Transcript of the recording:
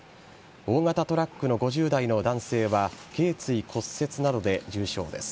大型トラックの５０代の男性は頚椎骨折などで重傷です。